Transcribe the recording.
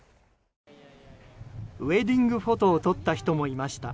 ウェディングフォトを撮った人もいました。